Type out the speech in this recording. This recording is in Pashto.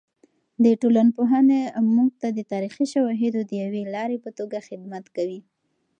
د ټولنپوهنه موږ ته د تاریخي شواهدو د یوې لارې په توګه خدمت کوي.